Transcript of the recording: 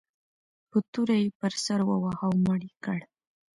په توره یې پر سر وواهه او مړ یې کړ.